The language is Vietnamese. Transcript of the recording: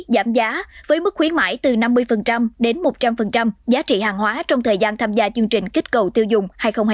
giảm giá với mức khuyến mại từ năm mươi đến một trăm linh giá trị hàng hóa trong thời gian tham gia chương trình kích cầu tiêu dùng hai nghìn hai mươi